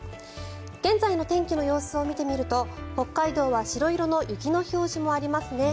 現在の天気の様子を見てみると北海道は白色の雪の表示もありますね。